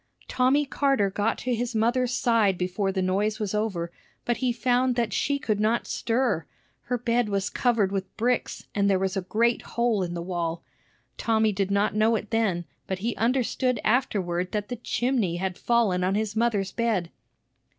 Tommy Carter got to his mother's side before the noise was over, but he found that she could not stir; her bed was covered with bricks, and there was a great hole in the wall. Tommy did not know it then, but he understood afterward that the chimney had fallen on his mother's bed.